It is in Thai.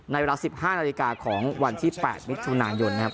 เวลา๑๕นาฬิกาของวันที่๘มิถุนายนนะครับ